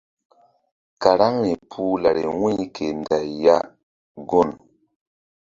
Karaŋri puh lari wu̧y ke nday ya gun.